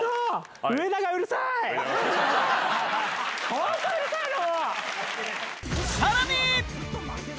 ホントうるさいの！